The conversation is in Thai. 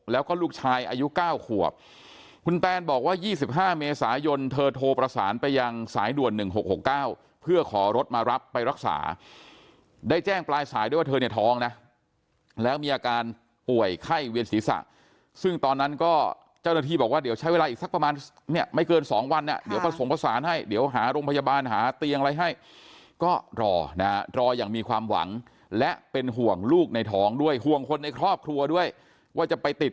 แล้วลูกชายอายุ๙ขวบคุณแปนบอกว่า๒๕เมษายนเธอโทรประสานไปยังสายด่วน๑๖๖๙เพื่อขอรถมารับไปรักษาได้แจ้งปลายสายด้วยว่าเธอเนี่ยท้องนะแล้วมีอาการป่วยไข้เวียนศีรษะซึ่งตอนนั้นก็เจ้าหน้าที่บอกว่าเดี๋ยวใช้เวลาอีกสักประมาณเนี่ยไม่เกิน๒วันเนี่ยเดี๋ยวประสงค์ประสานให้เดี๋ยวหาร